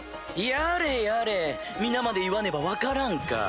やれやれ皆まで言わねば分からんか。